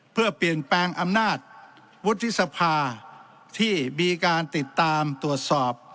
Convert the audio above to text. เพื่อเปลี่ยนแปลงอำนาจวุฒิสภาที่มีการติดตามตรวจสอบ